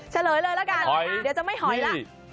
เฉลยเลยแล้วกันเดี๋ยวจะไม่หอยล่ะหอยนี่